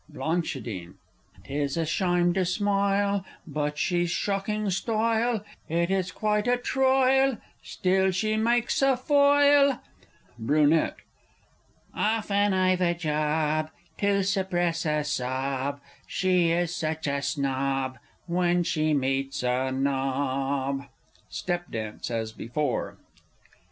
Bl. 'Tis a shime to smoile, But she's shocking stoyle, It is quite a troyal, Still she mikes a foil! Br. Often I've a job To suppress a sob, She is such a snob, When she meets a nob! [_Step dance as before.